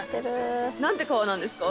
何て川なんですか？